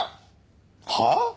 はあ！？